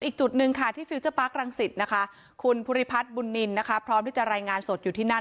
อีกจุดหนึ่งค่ะที่ฟิลเจอร์ปาร์ครังสิตนะคะคุณภูริพัฒน์บุญนินนะคะพร้อมที่จะรายงานสดอยู่ที่นั่น